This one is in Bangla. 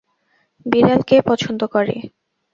বিড়াল কে পছন্দ করে?